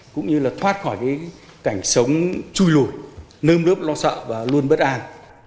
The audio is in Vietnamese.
cũng như là thoát khỏi cái cảnh sống chui lùi nơm nướp lo sợ và luôn bất an